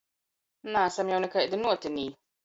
Naasam jau nikaidi nuotinī!